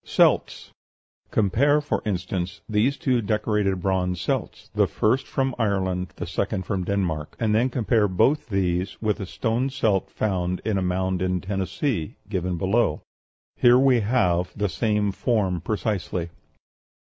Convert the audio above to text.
CELTS Compare, for instance, these two decorated bronze celts, the first from Ireland, the second from Denmark; and then compare both these with a stone celt found in a mound in Tennessee, given below. Here we have the same form precisely.